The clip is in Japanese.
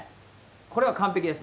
これは完璧です。